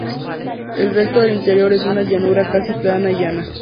El resto del interior es una llanura casi plana y llana.